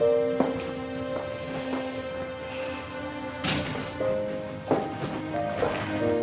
udah gak masuk